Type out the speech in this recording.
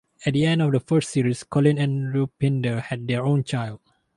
At the end of the first series Colin and Rupinder had their own child.